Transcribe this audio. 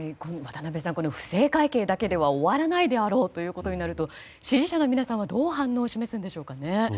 不正会計だけでは終わらないであろうとなると支持者の皆さんはどう反応を示すんですかね。